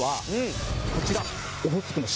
こちら。